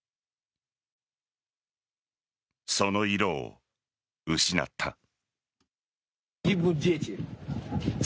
その色を失った。